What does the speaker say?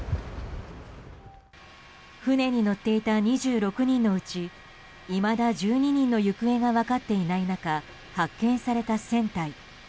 船に乗っていた２６人のうちいまだ１２人の行方が分かっていない中発見された船体。